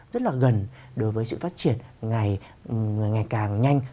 rất là gần đối với sự phát triển ngày càng nhanh